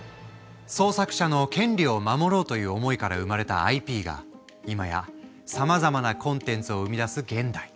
創作者の権利を守ろうという思いから生まれたＩＰが今やさまざまなコンテンツを生み出す現代。